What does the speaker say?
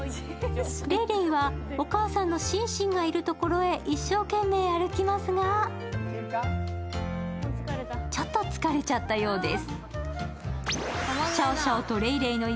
レイレイはお母さんのシンシンがいるところへ一生懸命歩きますが、ちょっと疲れちゃったようです。